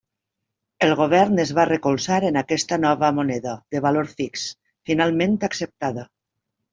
El govern es va recolzar en aquesta nova moneda, de valor fix, finalment acceptada.